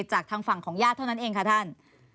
จากทางฝั่งของญาติเท่านั้นเองค่ะท่าน